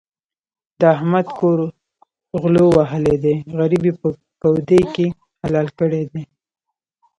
د احمد کور غلو وهلی دی؛ غريب يې په کودي کې حلال کړی دی.